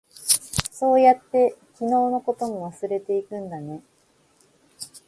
そうやって、昨日のことも忘れていくんだね。